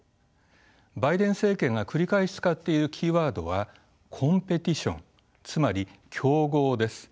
バイデン政権が繰り返し使っているキーワードはコンペティションつまり競合です。